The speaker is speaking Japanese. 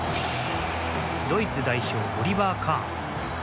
ドイツ代表、オリバー・カーン。